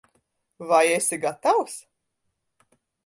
Vai esi gatavs?